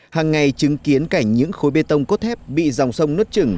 hàng ngày chứng kiến cảnh những khối bê tông cốt thép bị dòng sông nất trừng